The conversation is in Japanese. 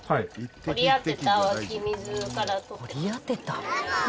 掘り当てた！